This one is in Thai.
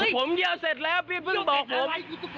ผมเยี่ยวเสร็จแล้วพี่เพิ่งบอกผม